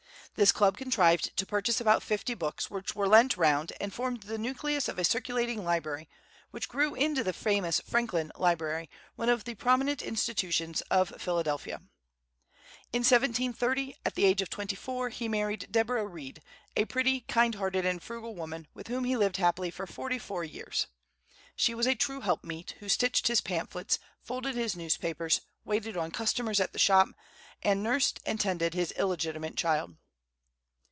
This club contrived to purchase about fifty books, which were lent round, and formed the nucleus of a circulating library, which grew into the famous Franklin Library, one of the prominent institutions of Philadelphia. In 1730, at the age of twenty four, he married Deborah Reid, a pretty, kind hearted, and frugal woman, with whom he lived happily for forty four years. She was a true helpmeet, who stitched his pamphlets, folded his newspapers, waited on customers at the shop, and nursed and tended his illegitimate child.